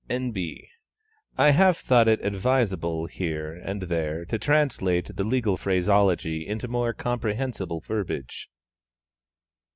(N.B. I have thought it advisable here and there to translate the legal phraseology into more comprehensible verbiage.)